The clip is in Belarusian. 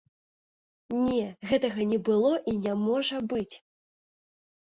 Не, гэтага не было і не можа быць!